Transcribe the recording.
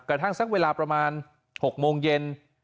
กระทั่งสักเวลาประมาณ๖โมงเย็น